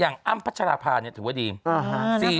อย่างอ้ำพัชรภาเนี่ยถือว่าดี